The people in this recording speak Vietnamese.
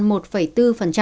long an giảm từ hai xuống năm